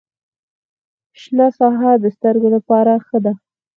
شنه ساحه د سترګو لپاره ښه ده